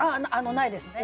ないですね。